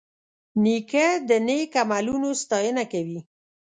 نیکه د نیک عملونو ستاینه کوي.